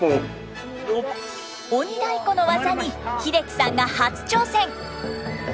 鬼太鼓の技に英樹さんが初挑戦！